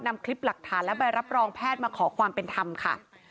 นำคลิปหลักฐานและใบรับรองแพทย์มาขอความเป็นธรรมค่ะ